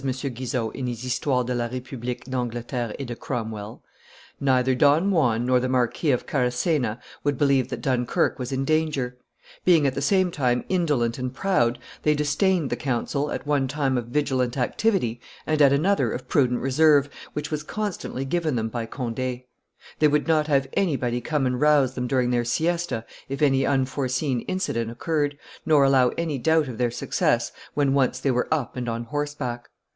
Guizot in his Histoire de la Republique d'Angleterre et de Cromwell, "neither Don Juan nor the Marquis of Carracena would believe that Dunkerque was in danger; being at the same time indolent and proud, they disdained the counsel, at one time of vigilant activity and at another of prudent reserve, which was constantly given them by Conde; they would not have anybody come and rouse them during their siesta if any unforeseen incident occurred, nor allow any doubt of their success when once they were up and on horseback.